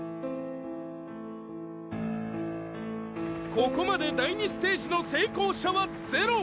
ここまで第２ステージの成功者はゼロ。